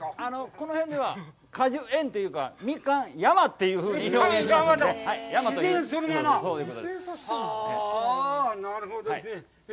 この辺では果樹園というかミカン山というふうに表現していますので。